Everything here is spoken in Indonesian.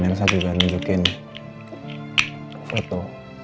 dan saya juga nunjukin foto